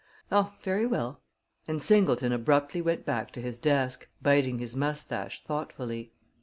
"Oh, very well," and Singleton abruptly went back to his desk, biting his mustache thoughtfully.